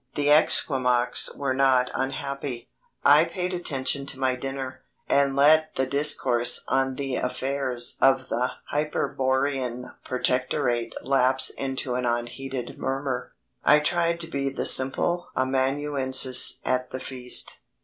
The Esquimaux were not unhappy. I paid attention to my dinner, and let the discourse on the affairs of the Hyperborean Protectorate lapse into an unheeded murmur. I tried to be the simple amanuensis at the feast.